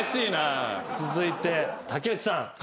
続いて竹内さん。